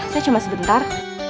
saya cuma sebentar